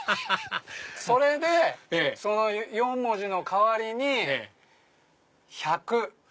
それでその４文字の代わりに「百」。